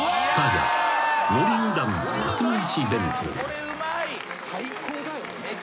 これうまい。